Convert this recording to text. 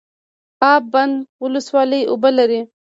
اب بند ولسوالۍ اوبه لري؟